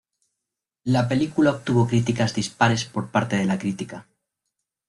La película obtuvo críticas dispares por parte de la crítica.